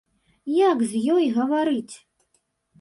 Як з ёй гаварыць?